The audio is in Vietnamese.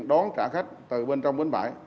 đón trả khách từ bên trong bến bãi